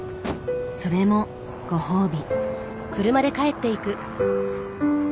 それもご褒美。